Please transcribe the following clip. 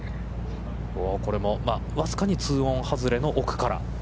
これも僅かにツーオン外れの奥から。